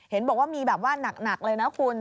เห็นบอกว่ามีแบบว่าหนักเลยนะคุณ